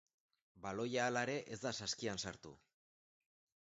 Baloia, hala ere, ez da saskian sartu.